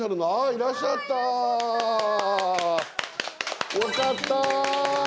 いらっしゃった！よかった！